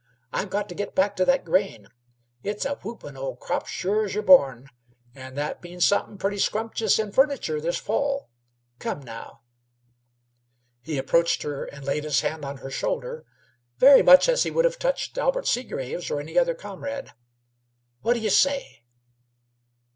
I've got t' get back t' that grain. It's a whoopin' old crop, sure's y'r born, an' that means sompin purty scrumptious in furniture this fall. Come, now." He approached her and laid his hand on her shoulder very much as he would have touched Albert Seagraves or any other comrade. "Whaddy y' say?"